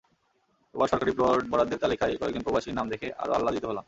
এবার সরকারি প্লট বরাদ্দের তালিকায় কয়েকজন প্রবাসীর নাম দেখে আরও আহ্লাদিত হলাম।